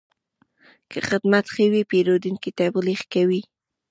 که خدمت ښه وي، پیرودونکی تبلیغ کوي.